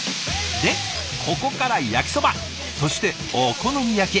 でここから焼きそばそしてお好み焼き。